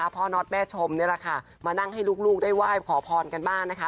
น็อตแม่ชมนี่แหละค่ะมานั่งให้ลูกได้ไหว้ขอพรกันบ้างนะคะ